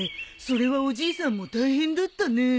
それはおじいさんも大変だったね。